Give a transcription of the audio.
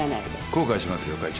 後悔しますよ会長。